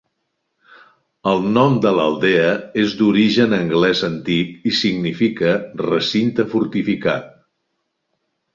El nom de l'aldea és d'origen anglès antic i significa "recinte fortificat".